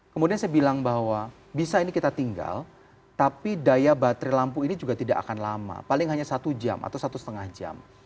kemudian saya bilang bahwa bisa ini kita tinggal tapi daya baterai lampu ini juga tidak akan lama paling hanya satu jam atau satu setengah jam